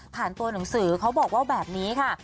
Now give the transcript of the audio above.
ตัวหนังสือเขาบอกว่าแบบนี้ค่ะ